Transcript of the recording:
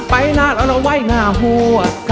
ไปนระระไว้นหัว